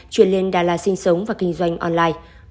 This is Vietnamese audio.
chuyển lên đà lạt sinh sống và kinh doanh online